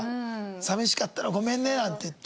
「寂しかったの。ごめんね」なんて言って。